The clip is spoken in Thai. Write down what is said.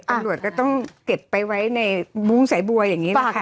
อรุณบันไดก็ต้องเก็บไปไว้ในมุ้งสายบัวอย่างนี้เรากัน